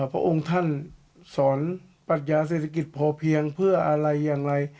พระองค์ท่านสอนปรัชญาเศรษฐกิจพอเพียงเพื่ออะไรอย่างไร